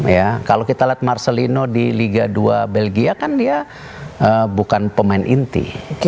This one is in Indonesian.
ya kalau kita lihat marcelino di liga dua belgia kan dia bukan pemain inti